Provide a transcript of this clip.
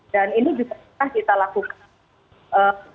dan ini juga kita lakukan